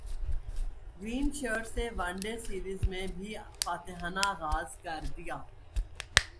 green shirts نے one day series میں بھی فاتحانہ غاز کر دیا